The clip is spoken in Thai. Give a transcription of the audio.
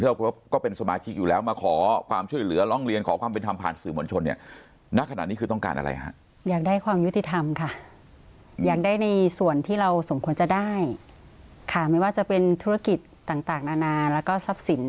เพราะว่าก็เป็นสมาชิกอยู่แล้วมาขอความช่วยเหลือร่องเรียนขอความเป็นธรรมผ่านสื่อหมวนชนเนี่ย